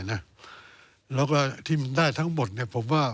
แล้วก็ที่มันได้ทั้งหมดผมว่า